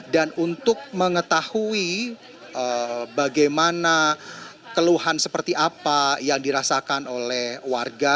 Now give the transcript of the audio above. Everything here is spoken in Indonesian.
dan untuk mengetahui bagaimana keluhan seperti apa yang dirasakan oleh warga